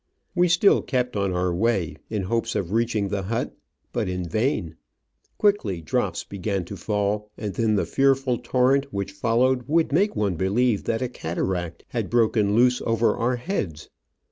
We still kept on our way, in hopes of reaching the hut, but in vain ; quickly drops began to fall, and then the fearful torrent which followed would make one believe that a cataract had broken loose over our heads.